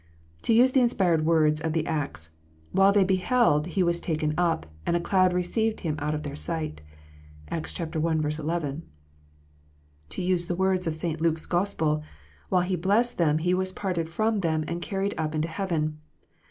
To use the inspired words of the Acts, " While they beheld, He was taken up, and a cloud received Him out of their sight." (Acts i. 11.) To use the words of St. Luke s Gospel, " While He blessed them, He was parted from them, and carried up into heaven."